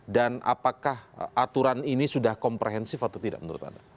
dan apakah aturan ini sudah komprehensif atau tidak menurut anda